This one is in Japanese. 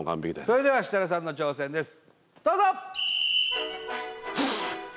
それでは設楽さんの挑戦です